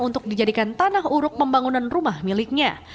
untuk dijadikan tanah uruk pembangunan rumah miliknya